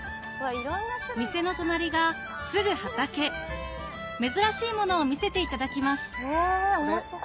店の隣がすぐ畑珍しいものを見せていただきます